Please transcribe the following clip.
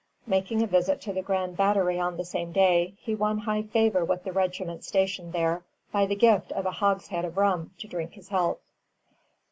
Making a visit to the Grand Battery on the same day, he won high favor with the regiment stationed there by the gift of a hogshead of rum to drink his health.